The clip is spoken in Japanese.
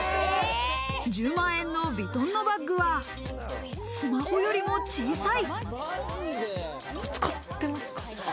１０万円のヴィトンのバッグは、スマホよりも小さい。